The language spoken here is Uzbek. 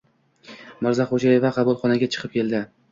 Mirzaxo‘jaeva qabulxonaga chiqib keldi.